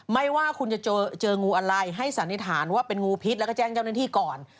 ไม่ว่าคุณจะเจองูอะไรให้สันนิษฐานว่าเป็นงูพิษแล้วก็แจ้งเจ้าหน้าที่ก่อน